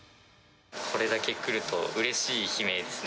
これだけ来るとうれしい悲鳴ですね。